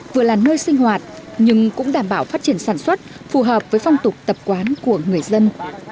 vừa là nơi sinh hoạt nhưng cũng đảm bảo phát triển sản xuất phù hợp với phong tục tập quán của người dân